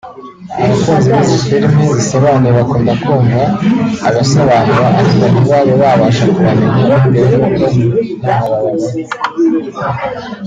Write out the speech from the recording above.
Abakunzi b’izi filime zisobanuye bakunda kumva abasobanura ariko ntibabe babasha kubamenya bitewe n’uko ntaho bababona